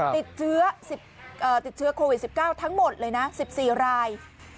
ติดเชื้อโควิด๑๙ทั้งหมดเลยนะ๑๔ราย